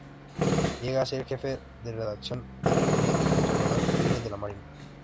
Llega a ser jefe de redacción del influyente y conservador "Diario de la Marina".